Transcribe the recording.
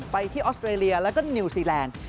ไปที่ออสเตรเลียแล้วก็นิวซีแลนด์